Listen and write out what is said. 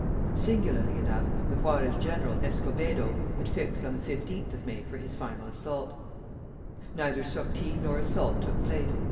Singularly enough, the Juarist general, Escobedo, had fixed on the 15th of May for his final assault. Neither sortie nor assault took place.